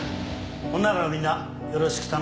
ほんならみんなよろしく頼むでの。